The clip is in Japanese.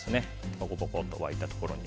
ポコポコッと沸いたところに